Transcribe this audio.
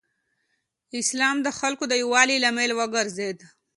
اسلام د خلکو د یووالي لامل وګرځېد.